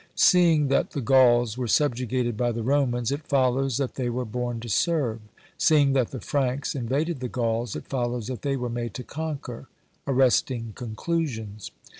Seeing that the Gauls were subjugated by the Romans, it follows that they were born to serve; seeing that the Franks invaded the Gauls, it follows that they were made to conquer — arresting conclusions